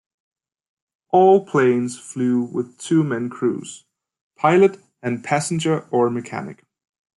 All planes flew with two-men crews, pilot and passenger or mechanic.